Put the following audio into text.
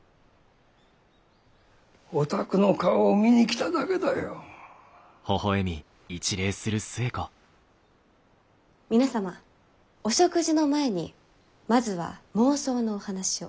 お宅の顔を見に来ただけだよ。皆様お食事の前にまずは妄想のお話を。